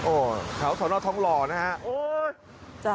โอ้ขาวสวนอดท้องหล่อนะฮะ